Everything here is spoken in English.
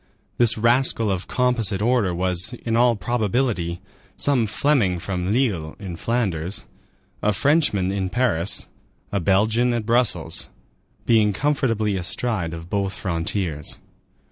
This rascal of composite order was, in all probability, some Fleming from Lille, in Flanders, a Frenchman in Paris, a Belgian at Brussels, being comfortably astride of both frontiers.